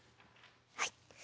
はい。